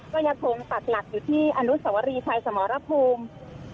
ก็ยังคงปักหลักอยู่ที่อนุสวรีชัยสมรภูมิ